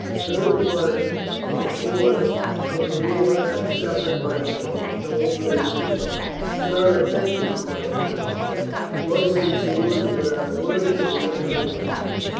Colonel Budd, the cause of the Lord hath suffered by you. You'll face a court." "Sir, I thank you," cried Colonel Budd. Royston saluted without a word, and they went their way.